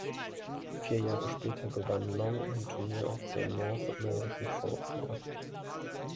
Vier Jahre später gewann Long ein Turnier auf der "North American Pro Tour".